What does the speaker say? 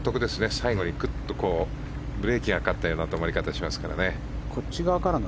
最後にぐっとブレーキがかかったような止まり方しますからね。